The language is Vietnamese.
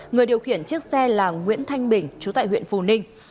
người điều khiển chiếc xe là nguyễn thanh bình chú tại huyện phù ninh